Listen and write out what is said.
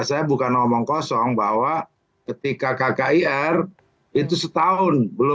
saya bukan ngomong kosong bahwa ketika kkir itu setahun